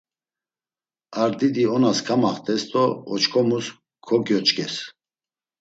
A didi onas kamaxtes do oç̌ǩomus kogyoç̌kez.